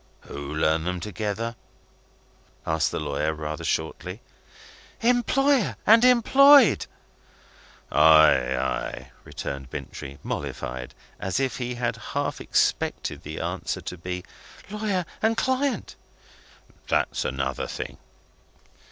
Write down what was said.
"Who learn them together?" asked the lawyer, rather shortly. "Employer and employed." "Ay, ay," returned Bintrey, mollified; as if he had half expected the answer to be, Lawyer and client. "That's another thing."